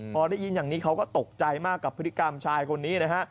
พอได้ยินอย่างนี้เขาก็ตกใจมากกับพฤติกรรมชายคนนี้นะฮะ